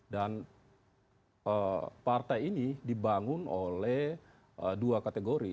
dan partai ini dibangun oleh dua kategori